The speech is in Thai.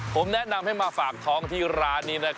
ผมแนะนำให้มาฝากท้องที่ร้านนี้